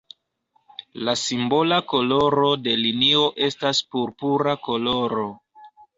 La simbola koloro de linio estas purpura koloro.